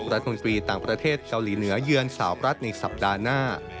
รัฐมนตรีต่างประเทศเกาหลีเหนือเยือนสาวรัฐในสัปดาห์หน้า